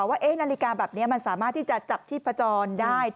ว่านาฬิกาแบบนี้มันสามารถที่จะจับชีพจรได้